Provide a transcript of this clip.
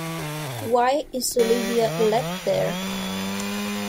Why is Olivia left there?